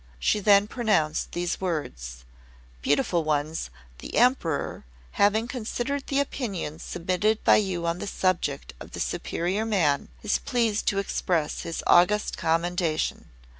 She then pronounced these words: "Beautiful ones, the Emperor, having considered the opinions submitted by you on the subject of the Superior Man, is pleased to express his august commendation.